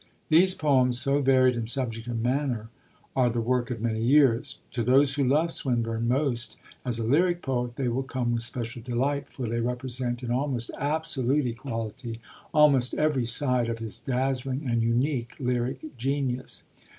These poems, so varied in subject and manner, are the work of many years; to those who love Swinburne most as a lyric poet they will come with special delight, for they represent, in almost absolute equality, almost every side of his dazzling and unique lyric genius.